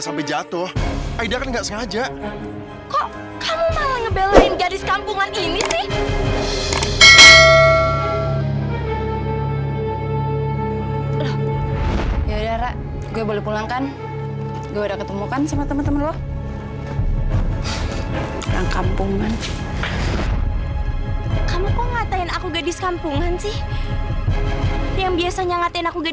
sampai jumpa di video selanjutnya